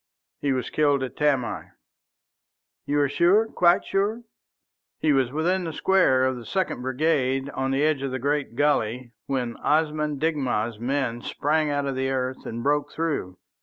"He was killed at Tamai." "You are sure quite sure?" "He was within the square of the Second Brigade on the edge of the great gulley when Osman Digna's men sprang out of the earth and broke through.